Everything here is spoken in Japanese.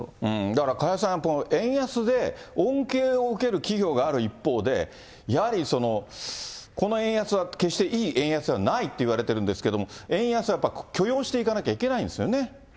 だから加谷さん、円安で恩恵を受ける企業がある一方で、やはり、この円安は、決していい円安ではないといわれてるんですけども、円安はやっぱり許容していかなきゃいけないですよね。